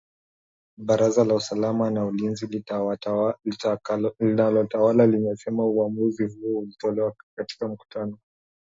Baraza la usalama na ulinzi linalotawala limesema uamuzi huo ulitolewa katika mkutano